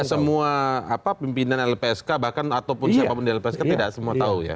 ya semua pimpinan lpsk bahkan ataupun siapapun di lpsk tidak semua tahu ya